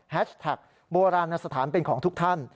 แท็กโบราณสถานเป็นของทุกท่าน